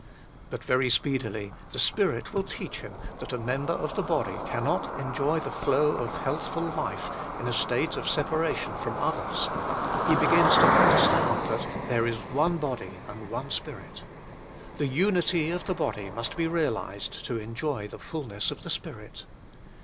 But very speedily the Spirit will teach him that a member of the body cannot enjoy the flow of healthful life in a state of separation from others. He begins to under stand that " there is one body and one Spirit." The unity of the body must be realised to enjoy the fulness of the Spirit.